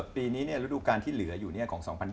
ปีนี้ฤดูการที่เหลืออยู่ของ๒๐๒๐